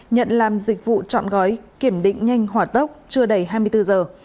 nhận làm dịch vụ trọn gói kiểm định nhanh hỏa tốc trưa đầy hai mươi bốn giờ